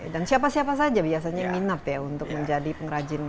dan siapa siapa saja biasanya minat ya untuk menjadi pengrajin